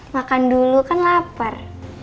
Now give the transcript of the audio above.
makan dulu kan lapar